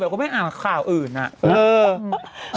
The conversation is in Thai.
ก็ไม่อ่านข่าวอื่นอะ